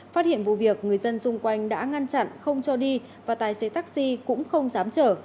phát hiện vụ việc người dân xung quanh đã ngăn chặn không cho đi và tài xế taxi cũng không dám trở